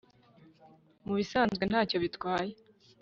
Mubisanzwe ntacyo bitwaye